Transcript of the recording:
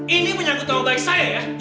ini penyakit tahu baik saya ya